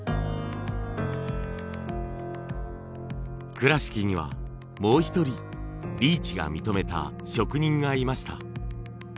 倉敷にはもう一人リーチが認めた職人がいました。